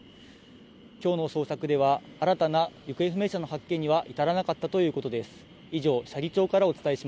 きょうの捜索では、新たな行方不明者の発見には至らなかったということです。